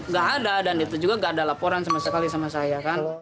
gak ada dan itu juga gak ada laporan sama sekali sama saya kan